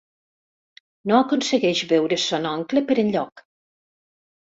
No aconsegueix veure son oncle per enlloc.